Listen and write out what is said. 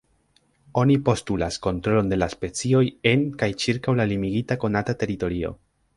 Oni postulas kontrolon de la specioj en kaj ĉirkaŭ la limigita konata teritorio.